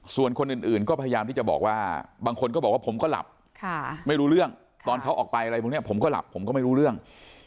ส่วนคนอื่นก็พยายามที่จะบอกว่าบางคนก็บอกว่าผมก็หลับไม่รู้เรื่องตอนเขาออกไปอะไรพวกนี้ผมก็หลับผมก็ไม่รู้เรื่อง